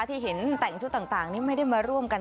ที่เห็นแต่งชุดต่างนี่ไม่ได้มาร่วมกัน